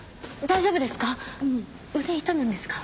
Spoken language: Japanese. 大丈夫ですか？